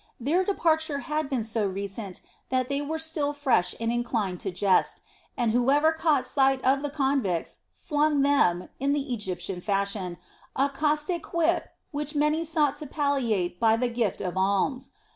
Their departure had been so recent that they were still fresh and inclined to jest, and whoever caught sight of the convicts, flung them, in the Egyptian fashion, a caustic quip which many sought to palliate by the gift of alms.